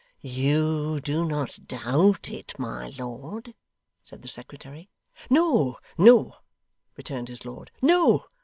'You do not doubt it, my lord?' said the secretary. 'No No,' returned his lord. 'No.